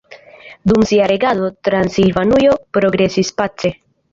Dum sia regado Transilvanujo progresis pace.